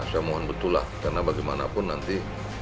saya mohon betul lah karena bagaimanapun nanti